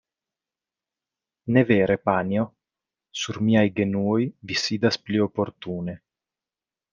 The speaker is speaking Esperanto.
Ne vere panjo? Sur miaj genuoj vi sidas pli oportune.